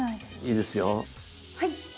いいですよ。はいっ！